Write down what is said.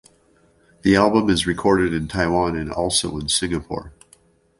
The album is recorded in Taiwan and also in Singapore.